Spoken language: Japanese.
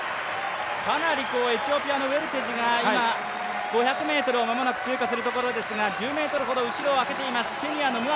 エチオピアのウェルテジが５００ｍを通過するところですが、１０ｍほど後ろを空けています。